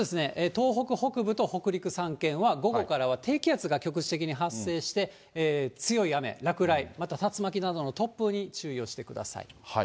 東北北部と北陸３県は午後からは低気圧が局地的に発生して、強い雨、落雷、また竜巻などの突風に注意をしてください。